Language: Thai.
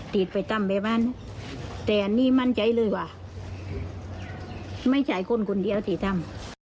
แต่อันนี้มั่นใจเลยว่าไม่ใช่คนคุณเดียวที่ทำ